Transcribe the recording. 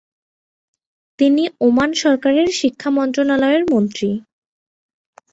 তিনি ওমান সরকারের শিক্ষা মন্ত্রণালয়ের মন্ত্রী।